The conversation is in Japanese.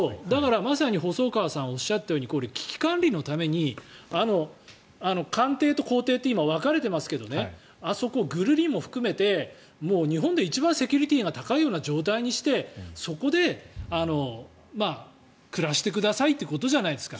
まさに細川さんがおっしゃったように危機管理のために官邸と公邸って分かれてますけどあそこ、ぐるりも含めて日本で一番セキュリティーが高いような状態にしてそこで暮らしてくださいってことじゃないですか。